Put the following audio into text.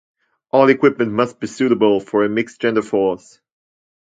All equipment must be suitable for a mixed-gender force.